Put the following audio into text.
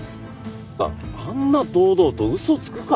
あんな堂々と嘘つくか？